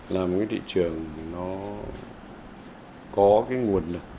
là một cái thị trường nó có cái nguồn lực